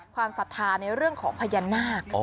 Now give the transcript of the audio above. ศรัทธาในเรื่องของพญานาค